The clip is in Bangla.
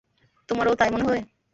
তোমারও তা-ই মনে হয়?